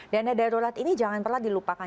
dana darurat ini jangan pernah dilupakan